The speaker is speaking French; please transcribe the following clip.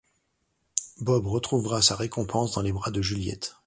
Bob retrouvera sa récompense dans les bras de Juliette.